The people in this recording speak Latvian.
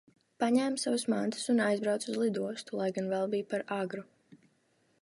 Paņēmu savas mantas un aizbraucu uz lidostu, lai gan vēl bija par agru.